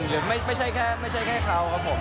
หรือไม่ใช่แค่เขาครับผม